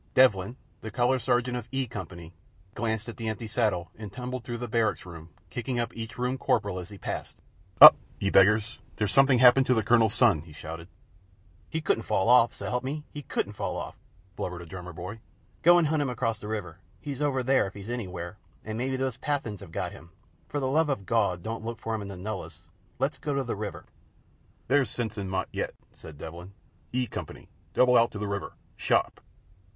Devlin, the Color Sergeant of E Company, glanced at the empty saddle and tumbled through the barrack rooms, kicking up each Room Corporal as he passed. "Up, ye beggars! There's something happened to the Colonel's son," he shouted. "He couldn't fall off! S'elp me, 'e couldn't fall off," blubbered a drummer boy. "Go an' hunt acrost the river. He's over there if he's anywhere, an' maybe those Pathans have got 'im. For the love o' Gawd don't look for 'im in the nullahs! Let's go over the river." "There's sense in Mott yet," said Devlin. "E Company, double out to the river sharp!"